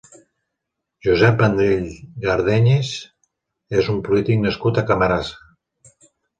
Josep Vendrell Gardeñes és un polític nascut a Camarasa.